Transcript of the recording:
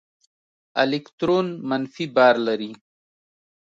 الکترون منفي بار لري.